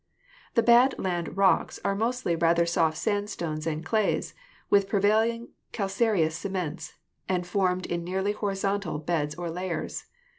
The bad land rocks are mostly rather soft sandstones and clays, with prevailingly calcareous cements, and formed in nearly horizontal beds or layers.